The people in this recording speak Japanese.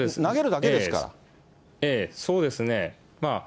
そうですね。